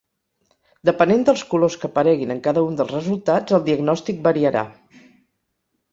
Depenent dels colors que apareguin en cada un dels resultats, el diagnòstic variarà.